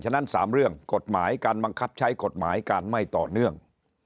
ฉะนั้น๓เรื่องกฎหมายการบังคับใช้กฎหมายการไม่ต่อเนื่อง